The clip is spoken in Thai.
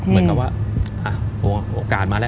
เหมือนกับว่าโอกาสมาแล้ว